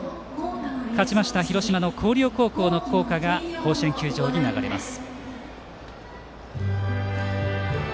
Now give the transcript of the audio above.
勝ちました広島の広陵高校の校歌が甲子園球場に流れます。